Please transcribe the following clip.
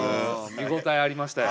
見応えありましたよ。